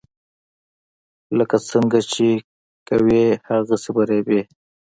لکه څنګه چې کوې هغسې به ریبې.